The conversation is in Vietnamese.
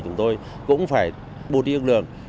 chúng tôi cũng phải bố trí ước lượng